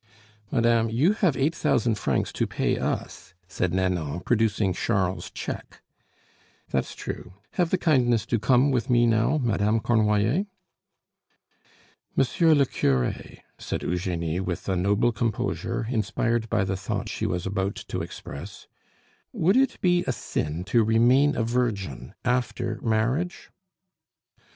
"Madame, you have eight thousand francs to pay us," said Nanon, producing Charles's cheque. "That's true; have the kindness to come with me now, Madame Cornoiller." "Monsieur le cure," said Eugenie with a noble composure, inspired by the thought she was about to express, "would it be a sin to remain a virgin after marriage?"